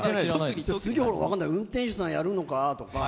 運転手さんやるのかとか。